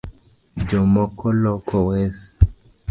Jo moko Loko wes